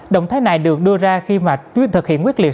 động thái này được đưa ra khi mà phiếu thực hiện quyết liệt